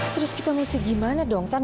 terus kita harus gimana dong tante